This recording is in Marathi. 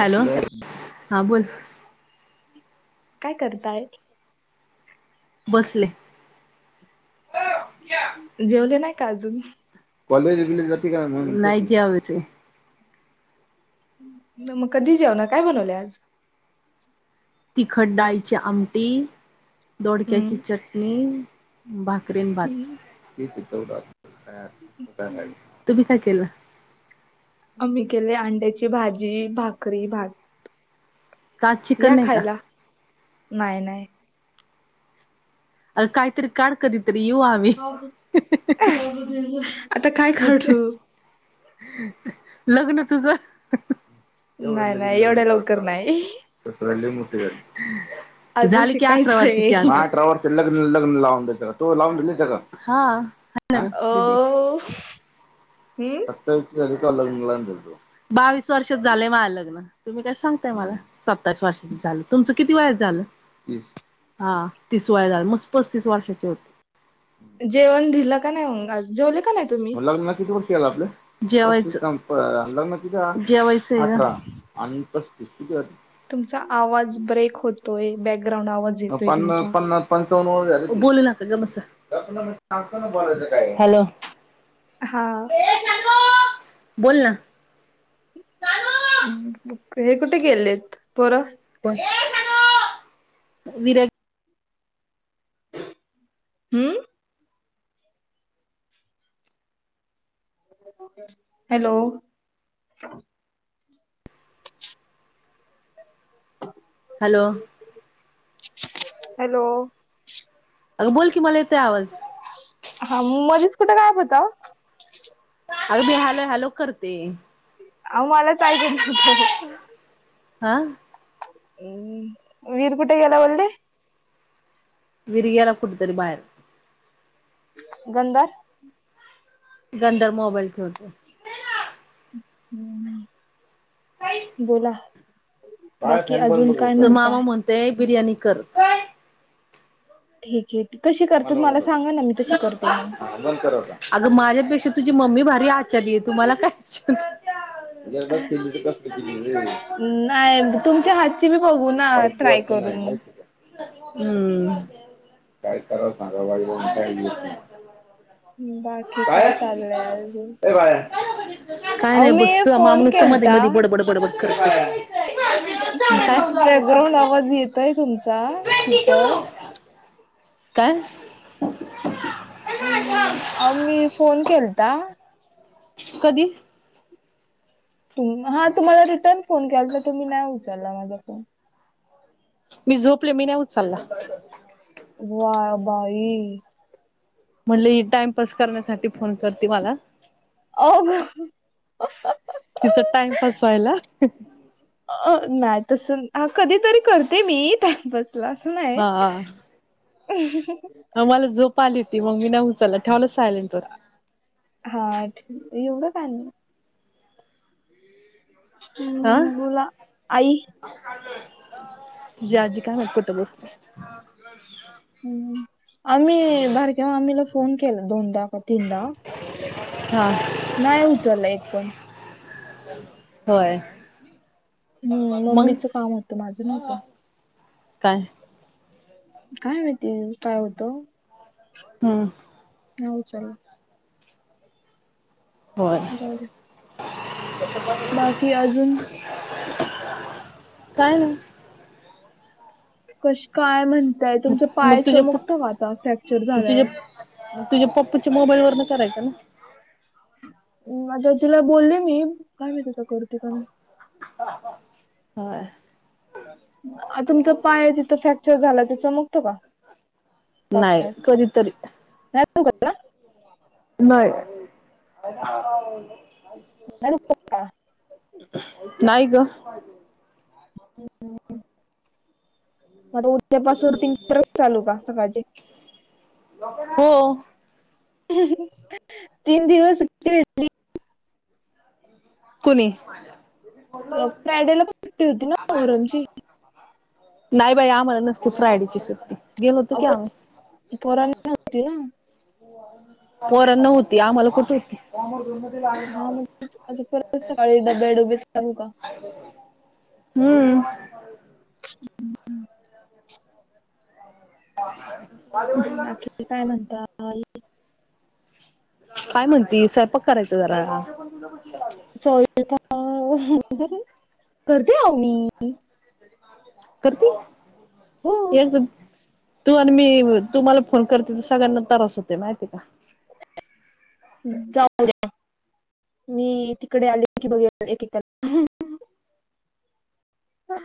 हॅलो, हा बोल. काय करताय? बसले. जेवले नाही का अजून? नाही जेवायचय. नइ मग कधी जे? काय बनवले आज? तिखट डाळीची आमटी, दोडक्याची हम्म. चटणी. भाकरी अन भात तुम्ही काय केलं? आम्ही केलीये अंड्याची भाजी, भाकरी, भात. का आज चिकन या नाही का? खायला, नाही नाही. अ काहीतरी काढ कधी आता काय काढू? लग्न तुझं. तेवढं नाही लगेच नाही, लग्न एवढ्या लवकर काढायचं नाही. [unintelligible] अजून झाली की अठरा शिकायचंय. वर्षाची हा हा अ दिले हम्म [unintelligible] बावीस वर्षात झालय माय लग्न, तुम्ही काय सांगताय मला सत्तावीस वर्षाची झालं, तुमच किती वयात झालं? हा तीस वया झाल, मस पस्तीस वर्षाचे होते. जेवण दिलं का नाही [unintelligible] जेवले? का नाही तुम्ही? जेवायचं जेवायचय गं. तुमचा आवाज ब्रेक होतोय, बॅकग्राउंड आवाज मग येतोय पन्ना तुमचा. पन्नास पंचावन्न बोलू नका गप बसा, हॅलो. हा. बोल ना. अ हे कुठे गेलेत? पोरं. विरे हम्म? हॅलो. हॅलो. हॅलो. अगं बोल की मला येत हा मग मध्येच कुठे [unintelligible] काय होत. अगदी हलो, हलो करते अ ओ मलाच ऐकत नव्हतो वा हा. हम्म वीर कुठे गेला वल्दे विर गेला कुठतरी बाहेर गंधा गंधर मोबाईल ठे होतो [unintelligible] हम्म बोला. काय बाकी छान पण अजून काय बघ म्हणताय मामा म्हणतेय, बिर्याणी कर ठीक हे. मग अग माझ्या [unintelligible] तशी तुझी मम्मी भारी आचारी, आहे तुम्हाला कायच्छ [unintelligible] नाही रे. तुमच्या हातची मी बघू ना, खाऊशी ट्राय वाटली नाही करून हम्म. माहिती का? हम्म काय कर सग वा काही [unintelligible] बाकी काय चालूय अजून ए बाळ्या काय अहो नाही मी बसत तुझ्मामा [unintelligible] फोन नुसतं मध्ये केलता मध्ये बडबड बोडबड करत. हू बॅकग्राउंड आवाज येतयं तुमचा, ट्वेंटी टू खूपच काय? हम्म, आओ मी फोन केलता. कधी? तुम्ही, हा तुम्हाला रिटर्न फोन केलता, तुम्ही नाही उचलला माझा फोन. मी झोपले, मी नाही उचलला. वा, बाई म्हनलं, ही टाइमपास करण्यासाठी फोन करते मला. अ तिचा टाइमपास व्हायला. अ नाही, तसं हा कधीतरी करते मी टाइमपास लाज नाई. हं, मला झोप आलीती, मग मी नाई उचल्ला, ठेवला सायलेंटवर. हा, ठीव. [unintelligible] येवडं कायं मग. हा हम्म बोला, आई. तुझी आजी काय म्हणते [unintelligible] पलूसची? हम्, आम्ही बारक्या मामीला फोन केला दोनदा, का तीनदा. हा. [unintelligible] नायं उचलला एक पण. होय. हम्म, मग मम्मीचं काम होतं, माझं नव्हतं. काय? काय माहिती काय हुतं. हम्म. नाही उचलला. होय जाऊदे. बाकी अजून, काय नाही. कशी काय म्हणतायं? तुमचा मग पाय तुझ्या प चमकतो का आता फ्रॅक्चर तुझ्या झाल्यावर? तुझ्या पप्पूच्या मोबाईल वरून करायचं ना, हू. आता तिला बोलले मी, काय माहित आता करते का नाय व्हय. [unintelligible] तुमचा पाय, तिथं फ्रॅक्चर झाला आता चमकतो का? नाही पावसाळ्यात कधीतरी [unintelligible] नाही. नाही दुखत का नाय ग. [unintelligible] आता उद्यापासून रुटीन परत चालू का सकाळचीं? हो. तीन दिवस सुट्टी भेटली कुनी? अ फ्रायडेला पण सुट्टी हूती ना मोहरमची नाही बाई, आम्हाला नसते फ्रायडेची सुट्टी गेलो होतो आओ की आम्ही पण पोरांना होती ना पोरांना होती आम्हाला कुठं हुती? हा डब्बे डब्बेच हूम्म [unintelligible] [inaudible] बाकी काय म्हणतालं? काय म्हणती स्वयंपाक करायच जरा. च का करते आ मी. करती हो एक तू आणि मी तू मला फोन करते तर सगळ्यांना त्रास होते माहितीय का जाऊ द्या मी तिकडे आले की बघे एकेकाला ह